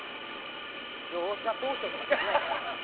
視聴者投票とかできないかな？